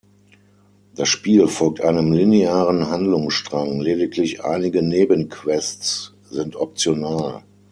Das Spiel folgt einem linearen Handlungsstrang, lediglich einige Nebenquests sind optional.